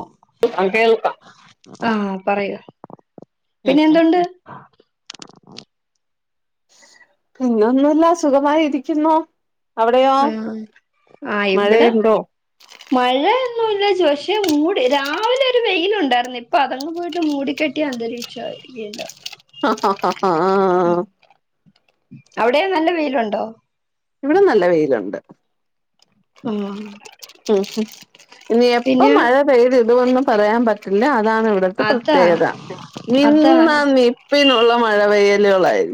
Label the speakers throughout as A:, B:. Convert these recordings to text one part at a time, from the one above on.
A: ഓ
B: ആഹ് കേൾക്കാം.
A: ആഹ് പറയ്
B: ഉം
A: പിന്നെ
B: ഉം
A: എന്തുണ്ട്
B: പിന്നെ ഒന്നുല്ല സുഖമായി ഇരിക്കുന്നു അവിടെയോ
A: ആഹ്
B: മഴയുണ്ടോ
A: മഴ ഒന്നു ഇല്ല പക്ഷേ മൂടി രാവിലെ ഒരു വെയിലുണ്ടായിരുന്നു ഇപ്പൊ അതങ്ങ് പോയിട്ട് മൂടിക്കെട്ടി ട്ടിയ അന്തരീക്ഷവായി വീണ്ടും.
B: ആഹ് ഹോ ഹ ഹ ആഹ്
A: അവിടെയും നല്ല വെയിലുണ്ടോ
B: ഇവിടെ നല്ല വെയിലുണ്ട്.
A: ഓ ആഹ് ആഹ്
B: ഇനി എപ്പം മഴ പെയ്തിടുമെന്ന് പറയാൻ പറ്റില്ല അതാണ് ഇവിടെ
A: അതാണ്
B: പ്രത്യേകത നിന്ന
A: അതാണ്
B: നിപ്പിനുള്ള മഴ പെയ്യലുകളായി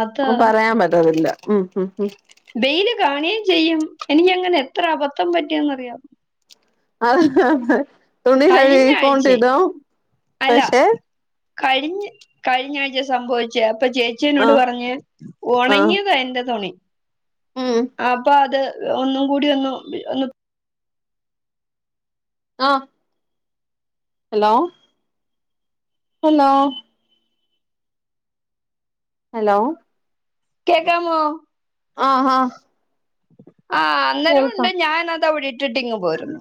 A: അതാ
B: പറയാൻ പറ്റത്തില്ല ഉം ഉം ഉം
A: വെയില് കാണുകയും ചെയ്യും. എനിക്കങ്ങനെ എത്ര അബദ്ധം പറ്റിയെന്ന് അറിയാവോ?
B: തുണി
A: കഴിഞ്ഞ
B: കഴിക്കോണ്ട്
A: ആഴ്ചെ
B: ഇടും. പക്ഷെ
A: കഴിഞ്ഞ് കഴിഞ്ഞ ആഴ്ച സംഭവിച്ച അപ്പൊ ചേച്ചി
B: ആ
A: എന്നോട് പറഞ്ഞ്
B: ആ
A: ഉണങ്ങിയതാ എന്റെ തുണി.
B: ഉം
A: അപ്പൊ അത് ഒന്നും കൂടി ഒന്ന് ഒ-
B: ആഹ് ഹലോ ഹലോ ഹലോ
A: കേക്കാമോ?
B: ആഹ് ആഹ്‌
A: ആഹ് അന്നരം ഉണ്ട് ഞാൻ അത് അവിടെ ഇട്ടിട്ട് ഇങ്ങ് പോരുന്നു.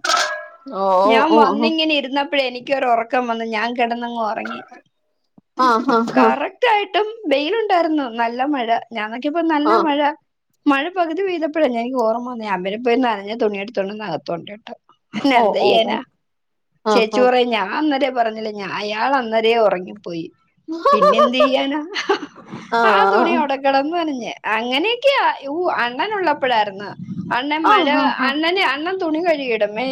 B: ഓ ഓ
A: ഞാൻ
B: ഓ ഓ
A: വന്നിങ്ങനെ ഇരുന്നപ്പഴേ എനിക്കൊരു ഉറക്കം വന്നു. ഞാൻ കിടന്നങ്ങ് ഉ ഉറങ്ങി
B: ആഹ് ആഹ് ആഹ്
A: കറക്റ്റ് ആയിട്ടും വെയിലുണ്ടായിരുന്നു. നല്ല മഴ ഞാൻ നോക്കിയപ്പം നല്ല
B: ആഹ്
A: മഴ. മഴ പകുതി പെയ്തപ്പൊഴ എനിക്ക് ഓർമ്മ വന്നേ ഞാൻ പിന്നെ പോയി നനഞ്ഞ തുണിയടുതോണ്ട് വന്ന് അകത്തോട്ടിട്ട്
B: ഓ
A: എന്ത്
B: ഓ ഓ
A: ചെയ്യാനാ
B: ആഹ്
A: ചേച്ചി
B: ആഹ്
A: പറയ് ഞാൻ അന്നരേ പറഞ്ഞില്ലേ ഞാൻ അയാൾ അന്നരേ ഉറങ്ങിപ്പോയി പിന്നെ എന്ത് ചെയ്യാന ആ
B: ആഹ്
A: തുണി അവിടെ കിടന്ന് നനഞ്ഞ് അങ്ങനെയൊക്കെയാ [unintelligible] അണ്ണൻ ഉള്ളപ്പോഴായിരുന്നു അണ്ണൻ
B: ആഹ്
A: മഴ
B: ആഹ് ആഹ്
A: അണ്ണന് അണ്ണൻ തുണി കഴുകി ഇടും മേ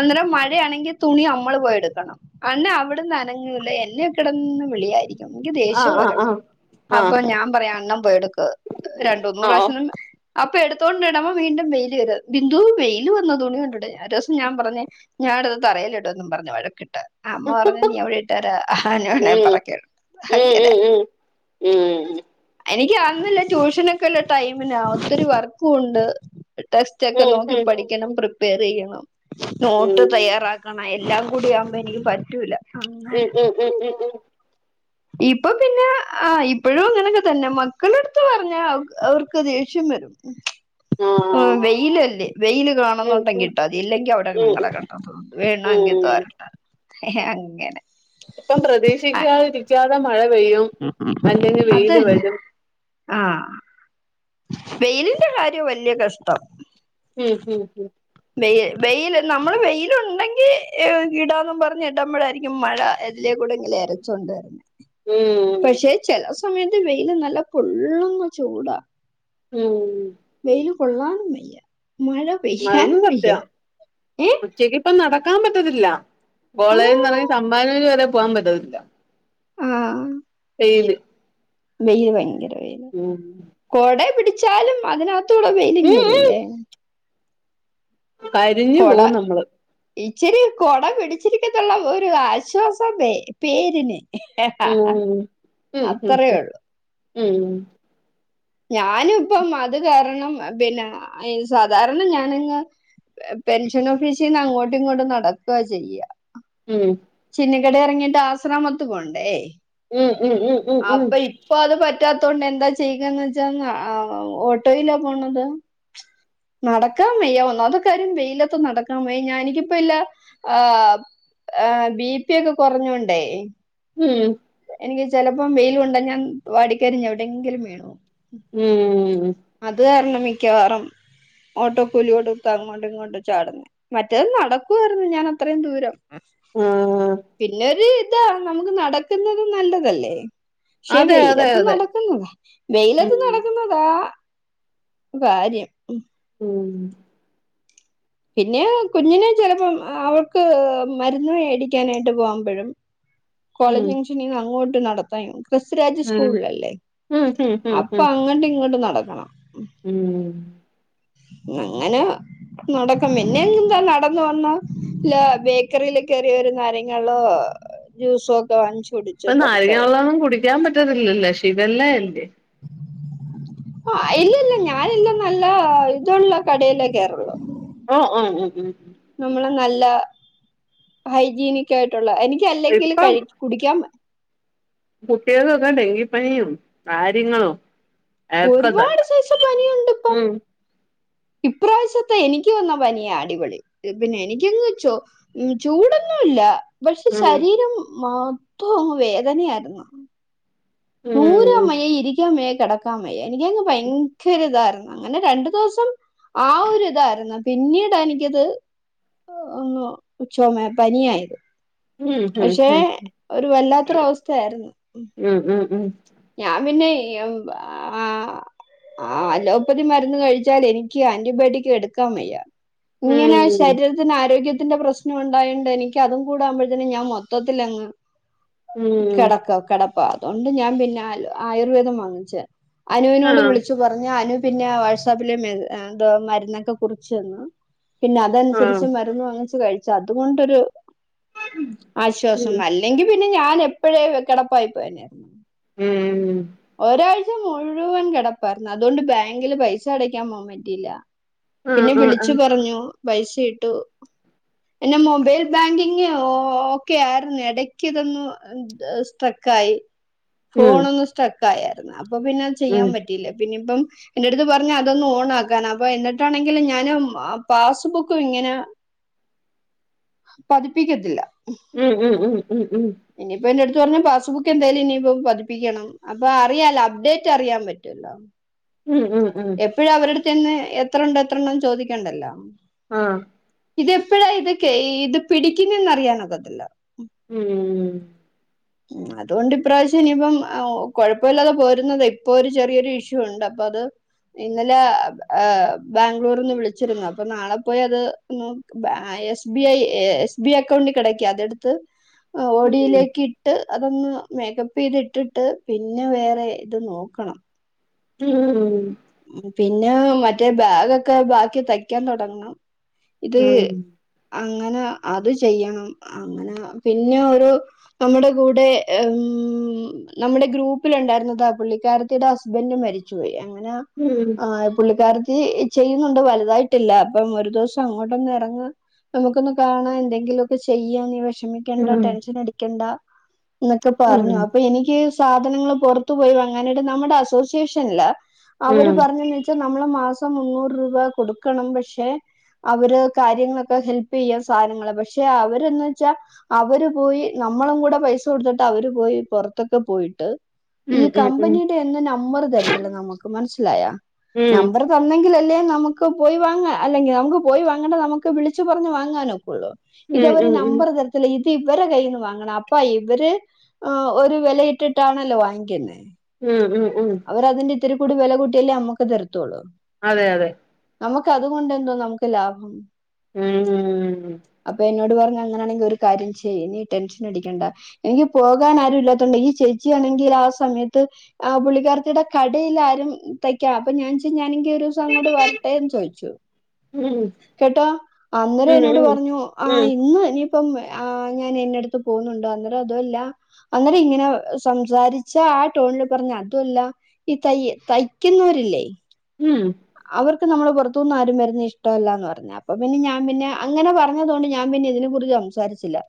A: അന്നരം മഴയാണെങ്കിൽ തുണി നമ്മൾ പോയെടുക്കണം അണ്ണൻ അവിടന്ന് അനങ്ങൂല്ല എന്നെ കിടന്ന് വിളിയായിരി നമ്മുക്ക് ദേഷ്യം
B: ആഹ്
A: വരും
B: ആഹ് ആഹ്
A: അപ്പൊ ഞാൻ പറയും അണ്ണൻ പോയെടുക്ക് രണ്ടൂന്ന്
B: ആഹ്
A: പ്രാവശ്യം അപ്പൊ എടുത്തോണ്ട് ഇടമ്പം വീണ്ടും വെയില് വെരും ബിന്ദു വെയില് വന്ന് തുണി കൊണ്ടിട് ഒരു ദിവസം ഞാൻ പറഞ്ഞ് ഞാനിത് തറയിലിടുന്ന് പറഞ്ഞു വഴക്കിട്ട് അമ്മ പറഞ്ഞ് നീ അവിടെ ഇട്ടേരെ അവന്
B: ഉം
A: വേണോങ്കിൽ പറുക്കി ഇടും അങ്ങനെ
B: ഉം
A: എനിക്ക് അന്നില്ല ട്യൂഷനൊക്കെ ഉള്ള ടൈമില ഒത്തൊരി വർക്കും ഉണ്ട് ടെക്സ്റ്റ് ഒക്കെ
B: ഉം
A: നോക്കി പഠിക്കണം പ്രിപ്പയർ ചെയ്യണം നോട്ട് തയ്യാറാ കണ എല്ലാം കൂടി ആവുമ്പോ എനിക്ക് പറ്റൂല അങ്ങന
B: ഉം ഉം ഉം ഉം ഉം ഉം ഉം ഉം ഉം ഉം ഉം
A: ഇപ്പൊ പിന്നെ ആഹ് ഇപ്പോഴും അങ്ങനൊക്കെ തന്നെ മക്കളെടുത്ത് പറഞ്ഞാ അവ അവർക്ക് ദേഷ്യം വരും [unintelligible] ആഹ് വെയിലല്ലേ വെയില്
B: ഉം ഉം ഉം
A: കാണുന്നുണ്ടെങ്കി
B: ഉം
A: ഇട്ടാതി ഇല്ലെങ്കിൽ അവിടെ അങ്ങനെ കിടന്നോ വേണങ്കി തോരട്ടോ ഏഹ് അങ്ങനെ
B: ഇപ്പം പ്രതീക്ഷക്കാതിരിക്കാതെ മഴ പെയ്യും അല്ലെങ്കിൽ വെയില് വരും
A: ആഹ് വെയിലിന്റെ കാര്യം വല്ല്യ കഷ്ട
B: ഉം ഉം ഉം
A: വെയിൽ വെയിൽ നമ്മള് വെയിൽ ഉണ്ടെങ്കി ഇടാന്നും പറഞ്ഞ് ഇട്പോഴായിരിക്കും മഴ എതിലേ കൂടെങ്കിലും എരച്ചൊണ്ട് വരും
B: ഉം
A: പക്ഷെ ചെല സമയത്ത് വെയില് നല്ല പൊള്ളുന്ന ചൂടാ
B: ഉം
A: വെയില് കൊള്ളാനും വയ്യ മഴ പെയ്യാനും വയ്യ ഏ
B: ച്ചക്ക് ഇപ്പ നടക്കാൻ പറ്റത്തില്ല
A: ആ
B: കോളേജ്ന്ന് ഇറങ്ങി തമ്പാനൂര് വരെ പോകാൻ പറ്റത്തില്ല
A: ആഹ്
B: ഈല്
A: മേയ്യ് ഭയങ്കര വേദന
B: ഉം
A: കോട പിടിച്ചാലും അതിനകത്തൂടെ വെൽ ഇങ്ങ്
B: ഉം ഉം
A: വരുല്ലേ
B: കരിഞ്ഞു
A: കൊട
B: പോകും നമ്മള്
A: ഇച്ചിരി കൊട പിടിച്ചിരിക്കത്തുള്ള ഒരു ആശ്വാസം പേ പേരിന്
B: ഉം ഉം ഉം
A: അത്രയേ ഒള്ളു
B: ഉം
A: ഞാന് ഇപ്പം അത് കാരണം പിന്നെ സാധാരണ ഞാനങ്ങ് പെ പെൻഷൻ ഓഫീസിന്ന് അങ്ങോട്ടും ഇങ്ങോട്ടും നടക്ക ചെയ്യാ
B: ഉം
A: ചിന്നിക്കടെ ഇറങ്ങിട്ട് ആസ്രാമത്ത് പോണ്ടേ
B: ഉം ഉം ഉം ഉം
A: അപ്പൊ ഇപ്പൊ അത് പ റ്റാത്തോണ്ട് എന്താ ചെയ്യുകന്ന് വെച്ചാന്നാ ഓട്ടോയിലാ പോണത് നടക്കാൻ വയ്യ ഒന്നാമത്തെ കാര്യം വെയിലത്ത് നടക്കാൻ വയ്യ ഞാനക്കെ ഇപ്പല്ല ആ ആ ബി പി ഒക്കെ കുറഞ്ഞോണ്ടേ
B: ഉം
A: എനിക്ക് ചിലപ്പോം വെയില് കൊണ്ട ഞാൻ വാടിക്കരിഞ്ഞു എവിടെയെങ്കിലും വീണോവും
B: ഉം
A: അത് കാരണം മിക്കവാറും ഓട്ടോക്കൂലി കൊടുത്ത് അങ്ങോണ്ടും ഇങ്ങോട്ടും ചാടന്ന് മറ്റേത് നടക്കുവായിരുന്നു ഞാൻ അത്രയും ദൂരം
B: ആഹ്
A: പിന്നെര് ഇതാ നമുക്ക് നടക്കുന്നതും നല്ലതല്ലേ പക്ഷെ
B: അതെ അതെ
A: വെയിലത്തും
B: അതെ
A: നടക്കുന്നു
B: ഉം
A: വെയിലത്ത് നടക്കുന്നതാ കാര്യം
B: ഉം
A: പിന്നേ കുഞ്ഞിന് ചെലപ്പം അവൾക്ക് മര്ന്ന് മേടിക്കാനായിട്ട് പോവുമ്പഴും
B: ഉം
A: കോളേജ് ജംഗ്ഷനീന്ന് അങ്ങോട്ട് നടത്തായിനുക്ക് ഗസ്വരാജ്
B: ഉം
A: സ്കൂള്ലല്ലേ
B: ഉം ഉം ഉം
A: അപ്പൊ
B: ഉം
A: അങ്ങട്ടും ഇങ്ങട്ടും നടക്കണം
B: ഉം
A: അങ്ങനേ നടക്കം പിന്നെ എന്താ നടന്ന് വന്നാ ഇല്ലാ ബേക്കറീല് കേറി ഒര് നാരങ്ങാള്ളോ ജ്യൂസോ ഒക്കെ വാങ്ങിച്ച്
B: ഇപ്പൊ നാരങ്ങാ വെള്ളോന്നും കുടിക്കാൻ പറ്റത്തില്ലല്ലോ ശിഘല്ല എല്ലേ
A: ആഹ് ഇല്ലല്ല ഞാനെന്നും നല്ലാ ഇതുള്ള കടേലാ കേറൊള്ളൂ
B: ഓ ഓ ഓ ഉം ഉം
A: നമ്മള് നല്ല ഹൈജീനിക് ആയിട്ടുള്ള എനിക്ക് അല്ലെങ്കിൽ കഴി കുടിക്കാം
B: കുട്ട്യേളെക്കെ ഡെങ്കിപ്പനിയും കാര്യങ്ങളും ഒക്കെ
A: ഒരുപാട്
B: തന്നെ
A: സൈസ് പനിയുണ്ട് ഇപ്പം
B: ഉം
A: ഇപ്രാവശ്യത്തെ എനിക്ക് വന്ന പനിയാ അടിപൊളി പിന്നെ എനിക്ക്ങ്ങ് ചൊ ഉം ചൂടൊന്നുല്ല പക്ഷെ
B: ഉം
A: ശരീരം മൊത്തം അങ്ങ് വേദനയായിര്ന്ന്
B: ഉം
A: നൂരാം വെയ്യ ഇരിക്കാമെയ്യ കെടക്കാമെയ്യ എനിക്കങ്ങ് ഭയങ്കര ഇതാരുന്നു അങ്ങനെ രണ്ടു ദിവസം ആ ഒര് ഇതായിരുന്നു പിന്നീടാ എനിക്കിത് ആഹ് ഓ ചൊമെ പനിയായത്
B: ഉം ഉം
A: പക്ഷേ
B: ഉം
A: ഒരു വല്ലാത്തൊരു അവസ്ഥയായിരുന്നു
B: ഉം ഉം ഉം
A: ഞാൻ പിന്നെ ഇ ഇ ഉ ആഹ് ആഹ് അലോപ്പതി മരുന്ന് കഴിച്ചാലെനിക്ക് ആന്റിബയോട്ടിക് എടുക്കാൻ വയ്യ ഇങ്ങനേ ശരീര ത്തിന് ആരോഗ്യത്തിന്റെ പ്രശ്നം ഉണ്ടായോണ്ട് എനിക്ക് അതും കൂടാവുമ്പഴത്തേന് ഞാൻ മൊത്തത്തിലങ്ങ്
B: ഉം ഉം
A: കെടക്കാ കെടപ്പാ അതോണ്ട് ഞാൻ പിന്നെ അലോ ആയുർവേദം വാങ്ങിച്ചേ അനുവിനോട്
B: ആഹ്
A: വിളിച്ചു പറഞ്ഞാ അനു പിന്നേ വാട്സാപ്പില് മെ ഏ തോ മര്ന്നൊക്കെ കുറിച്ചന്നു പിന്നെ
B: ആഹ്
A: അതനുസരിച്ച് മരുന്ന് വാങ്ങിച്ച് കഴിച്ച് അതുകൊണ്ടൊരു
B: ഉം
A: ആശ്വാസം അല്ലെങ്കി പിന്നെ ഞാന് എപ്പഴേ കെടപ്പായിപ്പോയേനേ
B: ഉം
A: ഒരാഴ്ച മുഴുവൻ കെടപ്പാര്ന്നു അതോണ്ട് ബാങ്കില് പൈസ അടക്കാൻ പോവ്വാം പറ്റിയില്ല
B: ആഹ്
A: പിന്നെ
B: ആഹ്
A: വിളിച്ചു പറഞ്ഞു പൈസ ഇട്ടു എന്റെ മൊബൈൽ ബാങ്കിങ് ഓക്കെ ആരുന്ന് എടക്ക് ഇതൊന്ന് ഏ സ്ട്രക്കായി
B: ആഹ്
A: ഫോണൊന്ന് സ്ട്രെക്കായേര്ന്ന് അപ്പൊ പിന്നെ അത് ചെയ്യാൻ
B: ഉം
A: പറ്റിയില്ല പിന്നിംപ്പം എന്റെട്ത്ത് പറഞ്ഞ് അതൊന്ന് ഓൺ ആക്കാന് അപ്പൊ എന്നിട്ടാണെങ്കിൽ ഞാനും പാസ്ബുക്കും ഇങ്ങനെ പതിപ്പിക്കത്തില്ല
B: ഉം ഉം ഉം ഉം ഉം
A: ഇനിയിപ്പ എന്റെട്ത്ത് പറഞ്ഞു പാസ്ബുക്ക് എന്തയാലും ഇനിയിപ്പോ പതിപ്പിക്കണം അപ്പ അറിയേല്ല അപ്ഡേറ്റ് അറിയാൻ പറ്റല്ലോ [inaudible]
B: ഉം ഉം ഉം
A: എപ്പഴും അവരട്ത്ത് ചെന്ന് എത്ര ഉണ്ട് എത്ര ഉണ്ടെന്ന് ചോദിക്കേണ്ടല്ലോ
B: ആഹ്
A: ഇതെപ്പഴാ ഇതൊക്കെ ഇത് പിടിക്കുന്നെന്ന് അറിയാനൊക്കത്തില്ല
B: ഉം
A: ഉം അതോണ്ട് ഇപ്രാവശ്യം ഇനിയിപ്പം കൊഴപ്പല്ലാതെ പോരുന്നതേ ഇപ്പൊ ഒരു ചെറിയൊരു ഇഷ്യൂ ഉണ്ട് അപ്പൊ അത് ഇന്നലേ ഏഹ് ബാംഗ്ലൂര്ന്ന് വിളിച്ചിരുന്നു അപ്പൊ നാളെ പോയി അത് മ് S B I S B account കിടക്ക അതെടുത്ത്
B: ഉം
A: ഓഡിയിലേക്ക് ഇട്ട് അതൊന്ന് മേക്കപ്പ് ചെയ്തിട്ടിട്ട് പിന്നെ വേറെ ഇത് നോക്കം
B: ഉം
A: പിന്നെ മറ്റേ ബാഗൊക്കെ ബാക്കി തയ്ക്കാൻ തുടങ്ങണം ഇത്
B: ഉം ഉം ഉം ഉം ഉം ഉം ഉം ഉം ഉം ഉം
A: അങ്ങനെ അത് ചെയ്യണം പിന്നെ ഒരു നമ്മുടെ കൂടെ ഉം നമ്മുടെ ഗ്രൂപ്പില് ഉണ്ടായിരുന്നത് ആ പുള്ളിക്കാരിത്തടെ ഹസ്ബൻഡ് മരിച്ചുപോയി അങ്ങനെ
B: ഉം
A: ആ പുള്ളിക്കാരിത്തി ചെയ്യുന്നുണ്ട് വലുതായിട്ടില്ല അപ്പം ഒരു ദിവസം അങ്ങോട്ടൊന്ന് ഇറങ്ങണം നമുക്കൊന്ന് കാണാൻ എന്തെങ്കിലുമൊക്കെ ചെയ്യാൻ വിഷമം ടെൻഷൻ അടിക്കണ്ട എന്നെക്കെ പറഞ്ഞു അപ്പോ എനിക്ക് സാധനങ്ങൾ പുറത്തു പോയി വാങ്ങാനായിട്ട് നമ്മുടെ അസോസിയേഷനില് അവര് പറഞ്ഞന്ന് വെച്ചാൽ നമ്മള് മാസം മുന്നൂറ് രൂപ കൊടുക്കണം പക്ഷെ അവര് കാര്യങ്ങളൊക്കെ ഹെല്പ് ചെയ്യാം സാധനങ്ങള് പക്ഷെ അവരെന്ന് വെച്ചാൽ അവര് പോയി നമ്മളും കൂടെ പൈസ കൊടുത്തിട്ട് അവര് പോയി പുറത്തൊക്കെ പോയിട്ട് ഈ
B: ഉം
A: കമ്പനിയുടെ എന്നും നമ്പർ തരത്തില്ല നമുക്ക് മനസ്സിലായോ നമ്പർ തന്നെങ്കില് അല്ലേ നമുക്ക് പോയി വാങ്ങാൻ അല്ലെങ്കിൽ നമുക്ക് പോയി വാങ്ങണ്ട് നമുക്ക് വിളിച്ച് പറഞ്ഞു വാങ്ങാനൊക്കോള്ളു ഇത് അവര്
B: ഉം
A: നമ്പർ തരത്തില്ല. ഇത് ഇവരെ കൈയ്യിന്ന് വാങ്ങണം അപ്പോ ഇവര് ഓ, ഒരു വിലയിട്ടിട്ടാണല്ലോ വാങ്ങിക്കുന്നേ.
B: ഉം, ഉം, ഉം.
A: അവർ അതിന്റെ ഇത്തിരി കൂടി വില കുട്ടിയല്ലേ നമ്മക്ക് തരത്തുള്ളൂ.
B: അതെ, അതെ.
A: നമുക്ക് അതുകൊണ്ട് എന്തോന്നാ നമുക്ക് ലാഭം.
B: ഉം
A: അപ്പോ എന്നോട് പറഞ്ഞ് അങ്ങനെണെങ്കിൽ ഒരു കാര്യം ചെയ്യ് നീ ടെൻഷൻ അടികെണ്ട എനിക്ക് പോകാൻ ആരും ഇല്ലാത്തേണ്ട് ഈ ചേച്ചി ആണെങ്കിൽ ആ സമയത്ത് ആ പുള്ളി വിദ്യാർത്ഥി യുടെ കടയിൽ ആരും തയ്ക്കാൻ, അപ്പോ ഞാൻചെന്ന് ഞാനുംകയറും. ഒരു ദിവസം അങ്ങോട്ട് വരട്ടെന്ന് ചോദിച്ചു.
B: ഉം.
A: കേട്ടോ അന്നേരം
B: ഉം
A: എന്നോട് പറഞ്ഞു ആ
B: ഉം ഉം
A: ഇന്ന് ഇനി ഇപ്പം ആ ഞാൻ ഇന്ന അടുത്ത് പോകുന്നുണ്ടോ അന്നേരം അതുമല്ല. അന്നേരം ഇങ്ങനെ സംസാരിച്ച് ആ ടോണിൽ പറഞ്ഞ് ആണ്. അതുല്ല, ഈ തയ് തയ്യിക്കുന്നവർ ഇല്ലേ.
B: ഉം.
A: അവർക്ക് നമ്മൾ പുറത്തുനിന്ന് ആരും വരുന്ന ഇഷ്ടമല്ലാന്ന് പറഞ്ഞു. അപ്പോ പിന്നെ ഞാൻ പിന്നെ അങ്ങനെ പറഞ്ഞത് കൊണ്ട് ഞാൻ പിന്നെ ഇതിനെ കുറിച്ച് സംസാരിച്ചില്ല.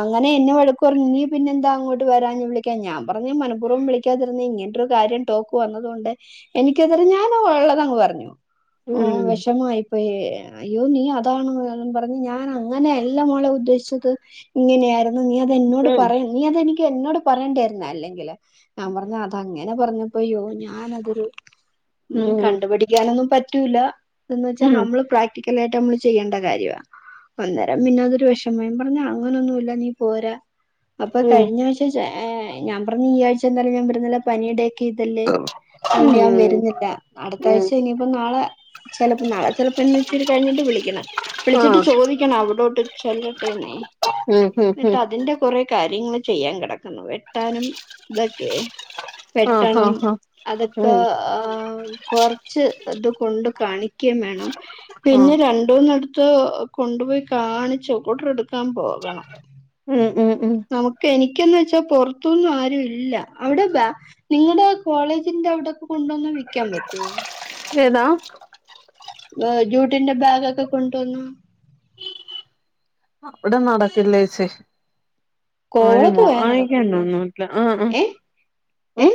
A: അങ്ങനെ എന്നെ വഴക്കുപറഞ്ഞു നീ പിന്നെ എന്താങ്ങോട്ട് വരാഞ്ഞെ ഞാൻ പറഞ്ഞ് മനപുർവ്വം വിളിക്കാത്തെ എനിക്കത് ഇങ്ങനെത്തെരു കാര്യം ടോക്ക് വന്നതുകൊണ്ട് എനിക്കത് ഞാനും ഉള്ളതങ്ങ് പറഞ്ഞു.
B: ഉം
A: ഓ,
B: ഉം
A: വിഷമായി. അയ്യോ, നീ അതാണ് പറഞ്ഞ് ഞാൻ അങ്ങനെയല്ല മോളെ ഉദ്ദേശിച്ചത്. ഇങ്ങനെയായിരുന്നു നീ അത് എന്നോട്
B: ഉം
A: പറയാ നീ അതെനിക്ക് എന്നോട് പറയേണ്ടയിരുന്നെ അല്ലെങ്കിൽ ഞാൻ പറഞ്ഞ് അതെങ്ങനെ പറഞ്ഞപ്പോ അയ്യോ ഞാൻ അതൊരു ഇ, കണ്ടു പഠിക്കാനൊന്നും പറ്റൂലഎന്ന് വെച്ചാൽ
B: ഉം
A: നമ്മള് പ്രക് പ്രാക്ടിക്കാലയിട്ടു നമ്മൾ ചെയ്യേണ്ട കാര്യമാണ്. അന്നേരം പിന്നെട്യൂഷൻ വൈബ് ആണ്. അങ്ങനൊന്നുല്ല നീ പോരാ അപ്പോ
B: ഉം
A: കഴിഞ്ഞ ആഴ്ച ഞാൻ പറഞ്ഞു. ഈ ആഴ്ച എന്തായാലും ഞാൻ വരുന്നില്ല പനി ഉണ്ട്. ഇതല്ലേ അതുകൊണ്ട് ഞാൻ
B: ഉം
A: വരുന്നില്ല. അടുത്ത
B: ഉം
A: ആഴ്ച ഇനിപ്പോൾ നാളെ ചിലപ്പോൾ നാളെ, ചിലപ്പോൾ ഇന്ന് ഇച്ചിരി കഴിഞ്ഞിട്ട് വിളിക്കണം. വിളിച്ചിട്ട്
B: ആഹ്
A: ചോദിക്കണം. അവിടോട്ട് ചെല്ലട്ടെന്നെ.
B: ഉം. ഉം. ഉം.
A: കുറെ കാര്യങ്ങൾ ചെയ്യാൻ കിടക്കുന്നു വെട്ടാനും ഇതൊക്കെ.
B: ആഹ്
A: വെട്ടണം
B: ആഹ് ആഹ്
A: അതൊക്കെ
B: ഉം
A: ആ. കൊറച്ച് അത് കൊണ്ട് കാണിക്കുകയും വേണം..
B: ആഹ്
A: പിന്നെ രണ്ടുന്നിടത്തു കൊണ്ടുപോയി കാണിച്ചു ഓടർ എടുക്കാൻ പോകണം.
B: ഉം ഉം ഉം
A: നമുക്ക് എനിക്കന്ന് വെച്ചാ പൊറത്തൊന്നും ആരു ഇല്ല. അവിടെ ബ നിങ്ങ ടെ കോളേജിന്റെ അവിടെ കൊണ്ടുവന്ന് വിൽക്കാൻ പറ്റോ?
B: ഏതാ [unintelligible]
A: ജൂട്ടിന്റെ ബാഗൊക്കെ കൊണ്ടുവന്നു.
B: അവിടെ നടക്കില്ലേച്ചേ ആ
A: കോവളത്ത്
B: മോ
A: പോയാ
B: ആയിക്കണ്ടോ
A: നടക്കൂല്ലേ
B: ഒന്നട്ടില്ല ആഹ ആ
A: ഏ
B: ഉ [unintelligible]
A: ഏ
B: [unintelligible]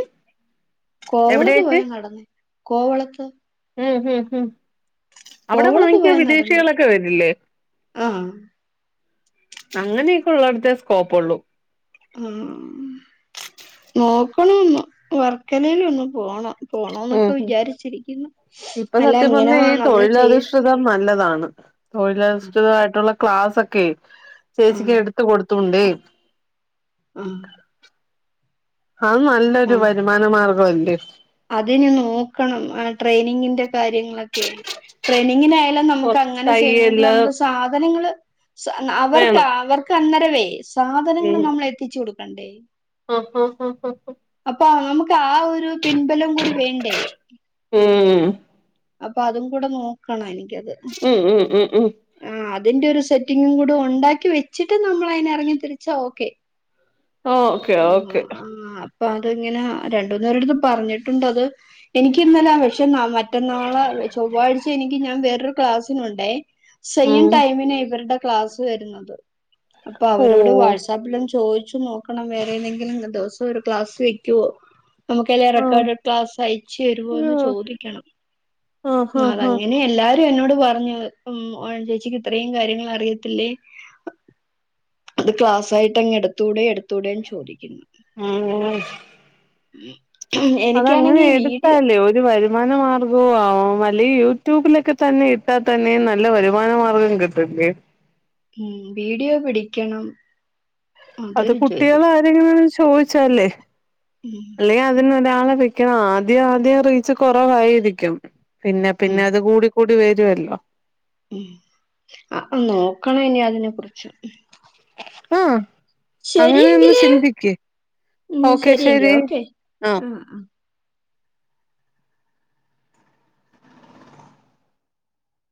A: കോവളത്ത് പോയാൽ നടന്നേ കോവളത്ത്.
B: ഉം, ഹും, ഹും, അവിടെ
A: കോവളത്ത്
B: വാങ്ങിക്ക
A: പോയാ നടന്നേ
B: വിദേശികളൊക്കെ വരില്ലേ?
A: ആ.
B: അങ്ങനെയൊക്കെ ഉള്ളടത്തേ സ്കോപ്പൊള്ളൂ
A: ആ നോക്കണന്ന് വർക്കലയില ഒന്ന്പോണം
B: ഉം
A: പോണന്നൊക്കെ
B: ഉം
A: വിചാരിച്ചിരിക്കുന്നു
B: ഇപ്പൊ
A: അല്ല
B: സത്യം
A: ഇങ്ങനെ
B: പറഞ്ഞാ ഈ
A: നമ്മള് ചെയ
B: തൊഴിലധിഷ്ഠിതം നല്ലതാണ് തൊഴിലശ്ചിതമായിട്ടുള്ള ക്ലാസക്കോ
A: ആ
B: ചേച്ചിക്ക് എടുത്ത കൊടുത്തോണ്ടേ
A: ആഹ
B: അഹ് നല്ലൊരു വരുമാന മാർഗംല്ലേ
A: അതയ്ന് നോക്കണം ട്രെയിനിങ്ങിന്റെ കാര്യങ്ങളൊക്കെ ട്രെയിനിങ്ങിനായാല നമുക്ക്
B: കൊറച്ച്
A: അങ്ങനെ ചെയ്യണമെങ്കിൽ
B: തയ്യല്
A: നമു സാധനങ്ങള് അവർക്ക്
B: വേണം
A: അവർക്ക് അന്നേരവേ സാധനങ്ങൾ
B: ഉം
A: നമ്മൾ എത്തിച്ചു കൊടുക്കണ്ടേ
B: ആഹ് ഹാ ആഹ
A: അപ്പൊ നമുക്ക് ആ ഒരു പിൻബലം കൂടി വേണ്ടേ
B: ഏ
A: അപ്പ അതും കൂടെ നോക്കണ എനിക്കത്
B: ഉം ഉം ഉം ഉം
A: ആ അതിന്റെ ഒരു സെറ്റിങ്ങും കൂടി ഉണ്ടാക്കി വെച്ചിട്ട് നമ്മൾ അയിന് ഇറങ്ങി തിരിച്ചാ ഓക്കെ
B: ഓ
A: ഉ ആ അപ്പൊ അത് ഇങ്ങനെ രണ്ടൂന്നേരടുത്ത് പറഞ്ഞിട്ടുണ്ട്ത് എനിക്കിന്നലെ ആ വേഷമാ മറ്റന്നാളെ ചൊവ്വാഴ്ച എനിക്ക് ഞാൻ വേറൊരു ക്ലാസിനുണ്ട് സെയിം
B: ഉം
A: ടൈമിന് ഇവരുടെ ക്ലാസ്സ് വരുന്നത് അപ്പൊ അവരോട്
B: ഓഹ്
A: വാട്സാപ്പിലാം ചോദിച്ചു നോ കണം വേറെ ഏതെങ്കിലും ദിവസം ഒരു ഗ്ലാസ് വെക്കുവോ നമുക്കെല്ലാം
B: ആഹ്
A: റെക്കോഡഡ് ക്ലാസ് അയച്ചു തരുമോന്ന്
B: അയ്യോ
A: ചോദിക്കണം
B: ആഹ്
A: അത
B: ആഹ് ആഹ്
A: അങ്ങനെയ എല്ലാ എന്നോട് പറഞ്ഞു ഉം ഓമന ചേച്ചിക്ക് ഇത്രയും കാര്യങ്ങൾ അറിയത്തില്ലേ അത് ക്ലാസ് ആയിട്ട് അങ്ങ് എടുത്തൂടെ എടുത്തൂടെ ന്ന് ചോദിക്കുന്നു
B: ആഹ അതങ്ങനെ
A: എനിക്കാണെങ്കി വീഡിയോ
B: എടുത്താലേ ഒരു വരു വരുമാനമാർഗവും ആവും അല്ല യൂട്യൂബിലൊക്കെ തന്നെ ഇട്ടാൽ തന്നെ നല്ല വരുമാനമാർഗം കിട്ട്ല്ലേ
A: ഉം വീഡിയോ പിടിക്കണം
B: അത്
A: അതൊരു ജോലിയ
B: കുട്ടികള് ആരെങ്കിലു ഒന്ന് ചോദിച്ചാലേ
A: ഉം
B: അല്ലെ അതിനിവിടെ ആളെ വെക്കണം ആദ്യം ആദ്യം റീച്ച് കുറവായിരിക്കും പിന്നെ
A: ഉം
B: പിന്നെ അത് കൂടി കൂടിവേരുല്ലോ
A: ഉം ആ നോക്കണം ഇനി അതിനെ കുറിച്ച്
B: ആഹ് അങ്ങനെ ഒന്ന്
A: ശരിയെങ്കില്
B: ചിന്തിക്ക്
A: ഉം
B: ഓക്കെ
A: ശരിയങ്കോ
B: ശരി
A: ഓക്കെ
B: ആഹ്
A: ആ ആ